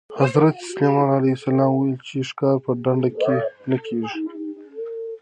حضرت سلیمان علیه السلام وویل چې ښکار په ډنډ کې نه کېږي.